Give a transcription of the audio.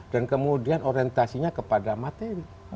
dan kemudian orientasinya kepada materi